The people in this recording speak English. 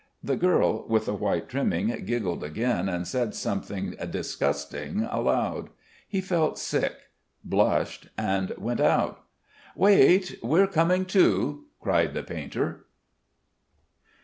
The girl with the white trimming giggled again and said something disgusting aloud. He felt sick, blushed, and went out: "Wait. We're coming too," cried the painter.